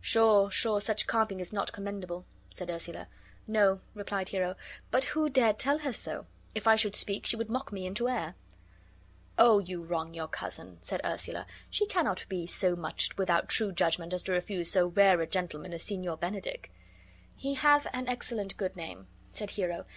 "Sure@ sure, such carping is not commendable," said Ursula. "No," replied Hero, "but who dare tell her so? If I should speak, she would mock me into air." "Oh, you wrong your cousin!" said Ursula. "She cannot be so much without true judgment as to refuse so rare a gentleman as Signor Benedick." "He hath an excellent good name," said Hero.